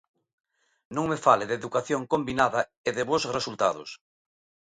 Non me fale de educación combinada e de bos resultados.